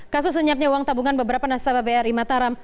kasus senyapnya uang tabungan beberapa nasabah bri mataram